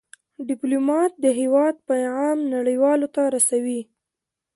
ډيپلومات د هېواد پېغام نړیوالو ته رسوي.